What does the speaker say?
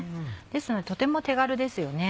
ですのでとても手軽ですよね。